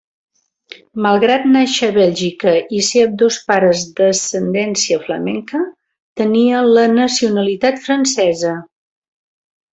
Malgrat nàixer a Bèlgica, i ser ambdós pares d'ascendència flamenca, tenia la nacionalitat francesa.